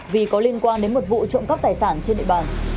vì có liên quan đến một vụ trộm cắp tài sản trên địa bàn